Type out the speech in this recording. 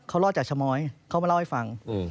เขารอดจากชะม้อยเขามาเล่าให้ฟัง